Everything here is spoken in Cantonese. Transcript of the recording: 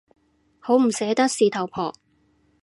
好唔捨得事頭婆